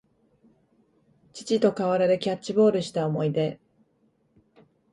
父と河原でキャッチボールした思い出